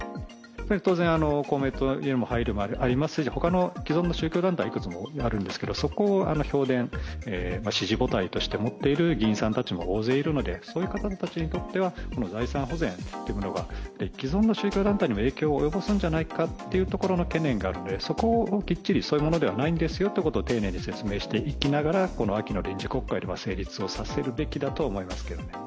当然、公明党への配慮もありますし他にも既存の宗教団体はいくつもあるんですけど、そこを票田、支持母体として持っている議員さんたちも大勢いるので、そういう方たちにとっては財産保全っていうものが既存の宗教団体にも影響を及ぼすんじゃないかという懸念があるのでそこをきっちり、そういうなのではないんですよということを丁寧に説明していきながら、この秋の臨時国会は成立させていくべきだと思います。